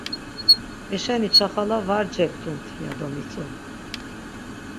Heşeni çaxala var cebdumt, ya do mitzu.